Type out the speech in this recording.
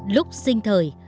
lúc sinh thời